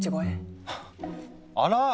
あら？